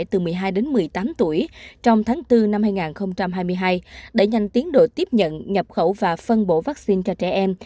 từ một mươi hai đến một mươi tám tuổi trong tháng bốn năm hai nghìn hai mươi hai đẩy nhanh tiến độ tiếp nhận nhập khẩu và phân bổ vaccine cho trẻ em